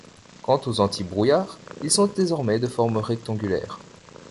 Quant aux anti-brouillards, ils sont désormais de forme rectangulaire.